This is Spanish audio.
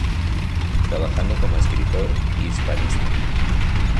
Trabajando como escritor y hispanista.